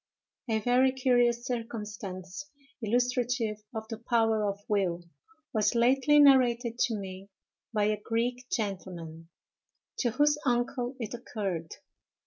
A VERY curious circumstance, illustrative of the power of will, was lately narrated to me by a Greek gentleman, to whose uncle it occurred.